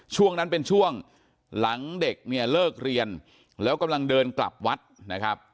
ช่วงนั้นเป็นช่วงหลังเด็กเนี่ยเลิกเรียนแล้วกำลังเดินกลับวัดนะครับ